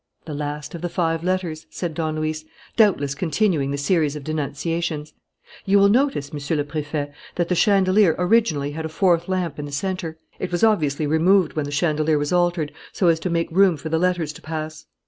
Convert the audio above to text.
"The last of the five letters," said Don Luis, "doubtless continuing the series of denunciations. You will notice, Monsieur le Préfet, that the chandelier originally had a fourth lamp in the centre. It was obviously removed when the chandelier was altered, so as to make room for the letters to pass."